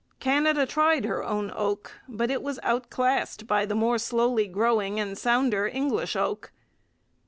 Canada tried her own oak; but it was outclassed by the more slowly growing and sounder English oak.